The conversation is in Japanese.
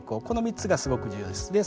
この３つがすごく重要です。